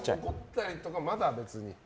怒ったりとかはまだ別に？